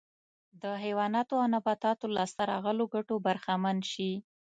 د حیواناتو او نباتاتو لاسته راغلو ګټو برخمن شي